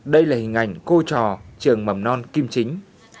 đây là hình ảnh cô trò trường mầm non kim chính